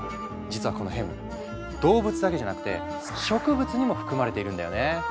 実はこのヘム動物だけじゃなくて植物にも含まれているんだよね。